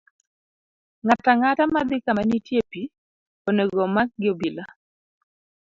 Ng'ato ang'ata madhi kama nitie pi, onego omak gi obila.